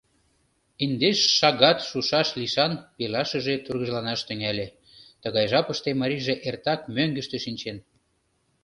Индеш шагат шушаш лишан пелашыже тургыжланаш тӱҥале: тыгай жапыште марийже эртак мӧҥгыштӧ шинчен.